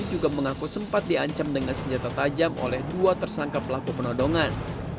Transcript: juga mengaku sempat diancam dengan senjata tajam oleh dua tersangka pelaku penodongan